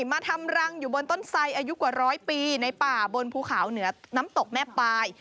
มาทำรังอยู่บนต้นไสอายุกว่าร้อยปีในป่าบนภูเขาเหนือน้ำตกแม่ปลาย